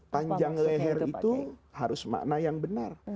panjang leher itu harus makna yang benar